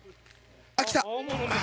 あっきた。